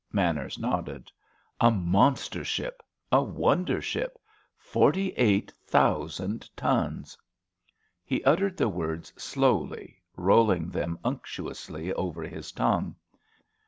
Manners nodded. "A monster ship—a wonder ship! Forty eight thousand tons." He uttered the words slowly, rolling them unctuously over his tongue.